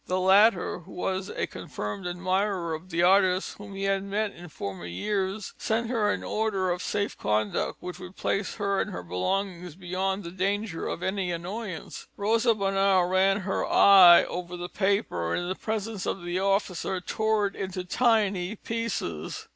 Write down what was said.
The latter, who was a confirmed admirer of the artist, whom he had met in former years, sent her an order of safe conduct which would place her and her belongings beyond the danger of any annoyance. Rosa Bonheur ran her eye over the paper and in the presence of the officer tore it into tiny pieces.